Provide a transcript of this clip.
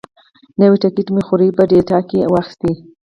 نوی ټکټ مې خوریي په ډیلټا کې واخیست.